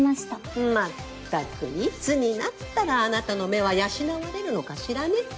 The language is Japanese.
まったくいつになったらあなたの目は養われるのかしらね。